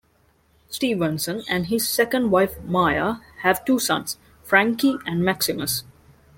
Stevenson and his second wife, Maia, have two sons, Frankie and Maximus.